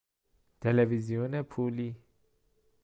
تلویزیون پولی